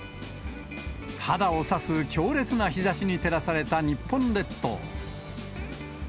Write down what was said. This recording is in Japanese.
肌をさす強烈な日ざしに照らされた日本列島。